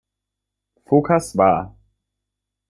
Phokas war.